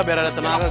biar ada tenaga